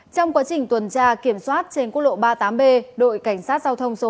trong quá trình tuần tra kiểm soát trên quốc lộ ba mươi tám b đội cảnh sát giao thông số một